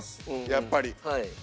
やっぱり。